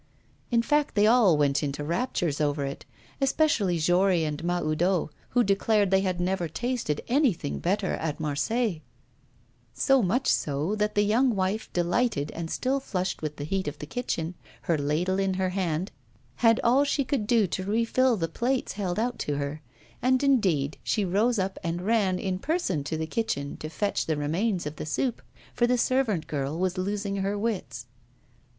In fact, they all went into raptures over it, especially Jory and Mahoudeau, who declared they had never tasted anything better at Marseilles; so much so, that the young wife, delighted and still flushed with the heat of the kitchen, her ladle in her hand, had all she could do to refill the plates held out to her; and, indeed, she rose up and ran in person to the kitchen to fetch the remains of the soup, for the servant girl was losing her wits.